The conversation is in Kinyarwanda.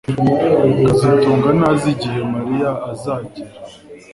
kazitunga ntazi igihe Mariya azagera